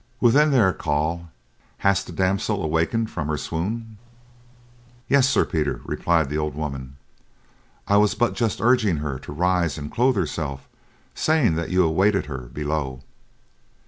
"Within there, Coll! Has the damsel awakened from her swoon?" "Yes, Sir Peter," replied the old woman. "I was but just urging her to arise and clothe herself, saying that you awaited her below."